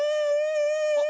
あっ。